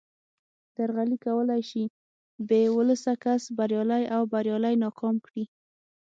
درغلي کولای شي بې ولسه کس بریالی او بریالی ناکام کړي